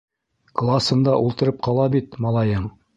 - Класында ултырып ҡала бит малайың.